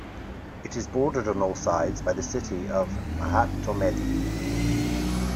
It is bordered on all sides by the city of Mahtomedi.